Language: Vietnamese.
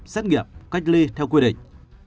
xét nghiệm cách ly theo quy định